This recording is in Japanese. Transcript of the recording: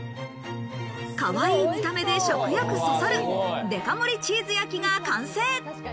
かわいい見た目で食欲そそるデカ盛りチーズ焼きが完成。